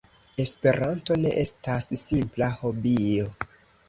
Esperanto ne estas simpla hobio.